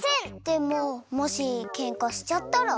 でももしケンカしちゃったら？